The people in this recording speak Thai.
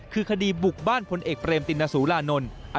คือคดีบุกบ้านพลเอกเรมตินสุรานนท์